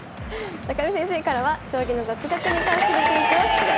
見先生からは将棋の雑学に関するクイズを出題していただきます。